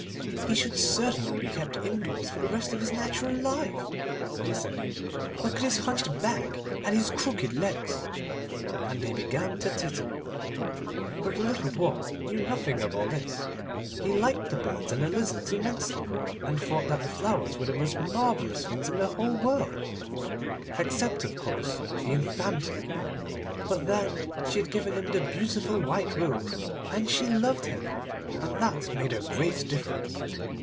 'He should certainly be kept indoors for the rest of his natural life,' they said. 'Look at his hunched back, and his crooked legs,' and they began to titter. But the little Dwarf knew nothing of all this. He liked the birds and the lizards immensely, and thought that the flowers were the most marvellous things in the whole world, except of course the Infanta, but then she had given him the beautiful white rose, and she loved him, and that made a great difference.